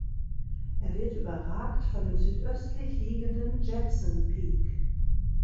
Er wird überragt von dem südöstlich liegenden Jepson Peak.